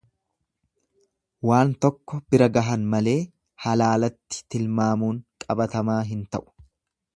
Waan tokko bira gahan malee halaalatti tilmaamuun qabatamaa hin ta'u.